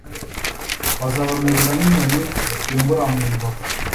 bazabamerera nk inkoni zitimbura mu mbavu